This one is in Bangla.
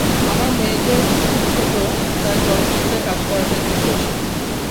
আমার মেয়ে যেহেতু খুব ছোট, তাই চলচ্চিত্রে কাজ করাটা একটু কঠিন।